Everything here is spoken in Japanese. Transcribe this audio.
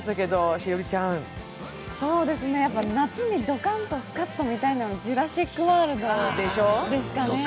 やっぱり夏にドカンとスカッと見たいのは「ジュラシック・ワールド」ですかね